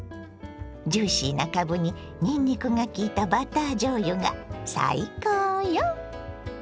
ジューシーなかぶににんにくがきいたバターじょうゆが最高よ！